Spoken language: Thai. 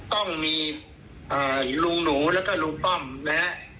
ต้องมีเอ่อลุงหนูแล้วก็ลุงป้อมนะครับ